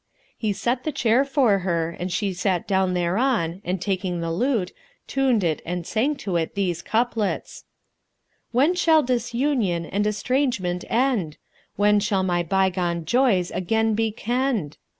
He set the chair for her and she sat down thereon and taking the lute, tuned it and sang to it these couplets, "When shall disunion and estrangement end? * When shall my bygone joys again be kenned?